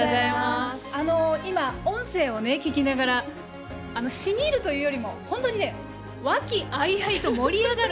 今、音声を聞きながら染み入るというよりも本当に和気あいあいと盛り上がる。